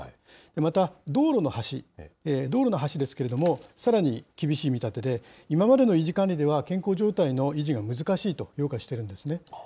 また道路の橋ですけれども、さらに厳しい見立てで、今までの維持管理では、健康状態の維持は難しいと評価しているんですね。